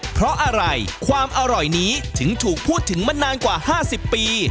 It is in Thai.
เพราะอะไรความอร่อยนี้ถึงถูกพูดถึงมานานกว่า๕๐ปี